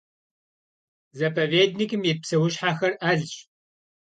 Заповедникым ит псэущхьэхэр Ӏэлщ.